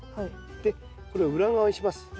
でこれを裏側にします。